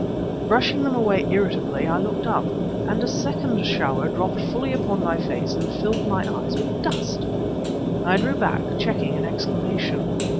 Brushing them away irritably, I looked up and a second shower dropped fully upon my face and filled my eyes with dust. I drew back, checking an exclamation.